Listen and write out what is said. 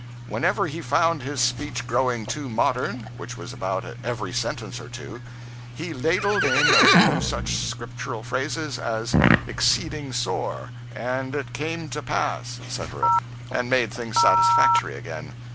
Whenever he found his speech growing too modern—which was about every sentence or two—he ladled in a few such Scriptural phrases as "exceeding sore," "and it came to pass," etc., and made things satisfactory again.